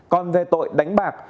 còn về tội đánh bạc